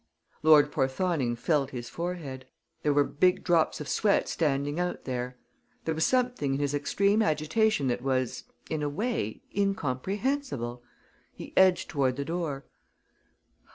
Lord Porthoning felt his forehead. There were big drops of sweat standing out there. There was something in his extreme agitation that was, in a way, incomprehensible. He edged toward the door.